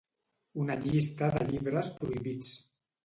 Una llista de llibres prohibits